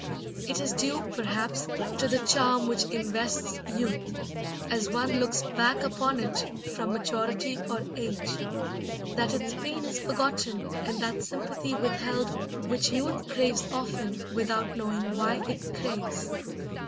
It is due, perhaps, to the charm which invests youth, as one looks back upon it from maturity or age, that its pain is forgotten and that sympathy withheld which youth craves often without knowing why it craves.